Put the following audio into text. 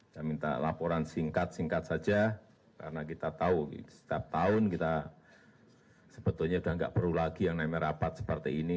saya minta laporan singkat singkat saja karena kita tahu setiap tahun kita sebetulnya sudah tidak perlu lagi yang namanya rapat seperti ini